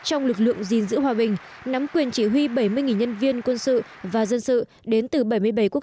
trong lực lượng gìn giữ hòa bình nắm quyền chỉ huy bảy mươi nhân viên quân sự và dân sự đến từ bảy mươi bảy quốc